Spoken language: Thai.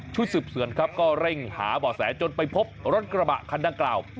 ชุดสึบเสือนก็เร่งหาเบาะแสจนไปพบรถกระบะคันด้านกล่าว